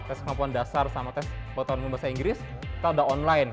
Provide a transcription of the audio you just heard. test kemampuan dasar sama test potensi bahasa inggris kita udah online